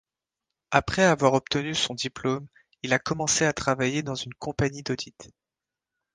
Après avoir obtenu son diplôme, il a commencé à travailler dans une compagnie d'audit.